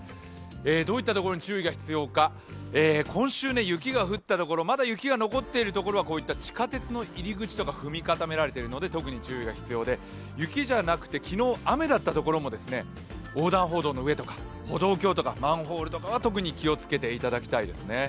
どういったところに注意が必要か、今週雪が降ったところまだ雪が残っている所は地下鉄の入り口とか踏み固められているので特に注意が必要で、雪じゃなくて昨日、雨だったところも、横断歩道の上とか歩道橋とかマンホールとかは特に気をつけていただきたいですね。